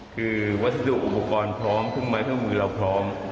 คือวัสดุอุปกรณ์พร้อมเครื่องไม้เครื่องมือเราพร้อม